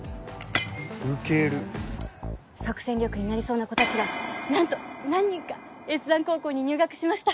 ウケる即戦力になりそうな子達が何と何人か越山高校に入学しました